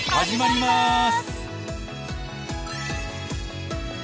始まります。